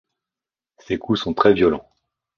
Ses coups sont très violents.